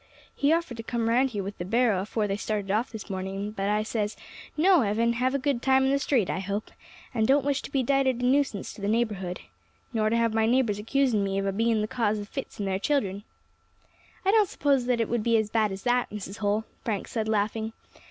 He offered to come round here with the barrow afore they started off this morning, but says I, 'No, Evan; I have a good name in the street, I hope, and don't wish to be dighted as a nuisance to the neighbourhood, nor to have my neighbours accusing me of a being the cause of fits in their children.'" "I don't suppose that it would be as bad as that, Mrs. Holl," Frank said, laughing.